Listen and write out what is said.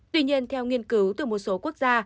tuy nhiên theo nghiên cứu từ một số quốc gia